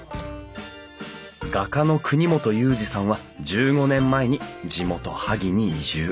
画家の國本ユージさんは１５年前に地元萩に移住。